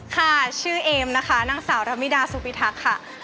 ค่ะชื่อเอมนะคะนางสาวรมิดาสุพิทักษ์ค่ะ